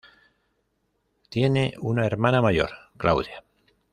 Tiene una hermana mayor, Claudia.